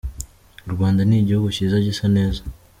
U Rwanda ni igihugu cyiza gisa neza.